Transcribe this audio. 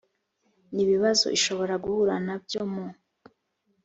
n ibibazo ishobora guhura na byo mu